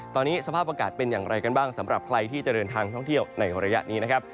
ตอนนี้สภาพอากาศเป็นอย่างไรกันบ้างสำหรับใครที่จะเดินทางท่องเที่ยวในระยะนี้นะครับ